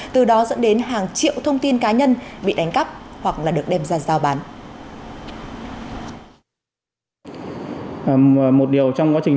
từ đó dẫn đến hàng triệu thông tin cá nhân bị đánh cắp hoặc là được đem ra giao bán